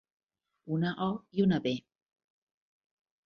Una o i una be.